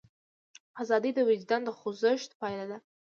ازادي د وجدان د خوځښت پایله ده.